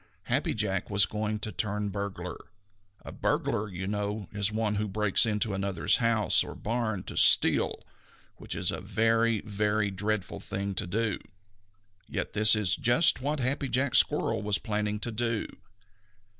Happy Jack was going to turn burglar. A burglar, you know, is one who breaks into another's house or barn to steal, which is a very, very dreadful thing to do. Yet this is just what Happy Jack Squirrel was planning to do.